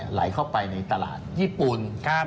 ไหลเข้าไปในตลาดญี่ปุ่น